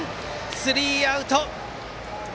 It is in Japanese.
スリーアウト！